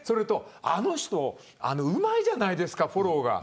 あの人、うまいじゃないですかフォローが。